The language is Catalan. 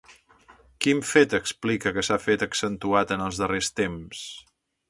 Quin fet explica que s'ha fet accentuat en els darrers temps?